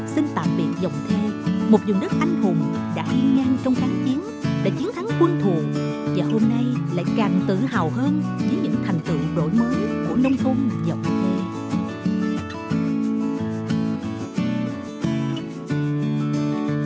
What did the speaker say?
xin tạm biệt dọng thê một vùng đất anh hùng đã yên ngang trong kháng chiến đã chiến thắng quân thù và hôm nay lại càng tự hào hơn với những thành tựu đổi mới của nông thôn dọng thê